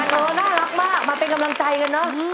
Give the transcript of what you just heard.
โอ้น่ารักมากมาเป็นกำลังใจกันเนอะ